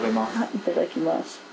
いただきます。